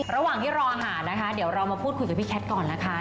ระหว่างที่รออาหารนะคะเดี๋ยวเรามาพูดคุยกับพี่แคทก่อนนะคะ